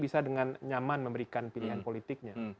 bisa dengan nyaman memberikan pilihan politiknya